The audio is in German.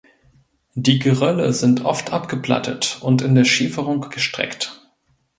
Die Gerölle sind oft abgeplattet und in der Schieferung gestreckt.